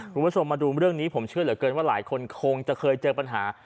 คุณผู้ชมมาดูเรื่องนี้ผมเชื่อเหลือเกินว่าหลายคนคงจะเคยเจอปัญหา